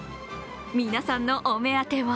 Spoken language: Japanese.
皆さんのお目当ては？